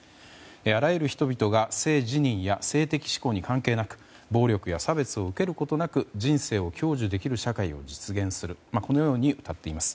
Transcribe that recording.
あらゆる人々が性自認や性的指向に関係なく暴力や差別を受けることなく人生を享受できる社会を実現するとうたっています。